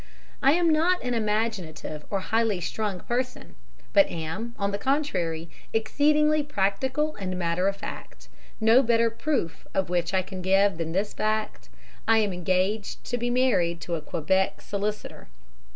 I am not an imaginative or highly strung person, but am, on the contrary, exceedingly practical and matter of fact, no better proof of which I can give than this fact I am engaged to be married to a Quebec solicitor!"